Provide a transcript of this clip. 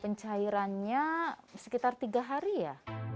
pencairannya sekitar tiga hari ya